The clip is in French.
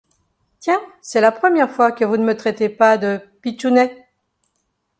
Tiens, c’est la première fois que vous ne me traitez pas de « pitchounet ».